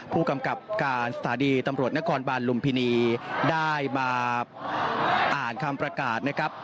ผู้กำกับการสถานีตำรวจนครบาลลุมพินีได้มาอ่านคำประกาศนะครับ